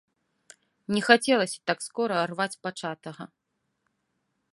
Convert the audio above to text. Не хацелася так скора рваць пачатага.